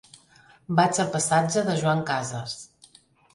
Vaig al passatge de Joan Casas.